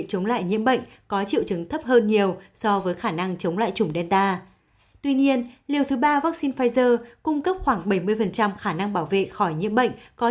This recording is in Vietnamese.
tuy nhiên liều thứ ba vaccine pfizer cung cấp khoảng bảy mươi khả năng bảo vệ khỏi nhiễm bệnh còn